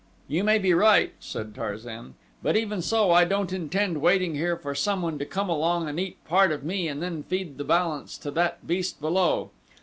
"You may be right," said Tarzan; "but even so I don't intend waiting here for someone to come along and eat part of me and then feed the balance to that beast below.